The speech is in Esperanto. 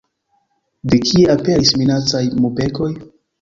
De kie aperis minacaj nubegoj?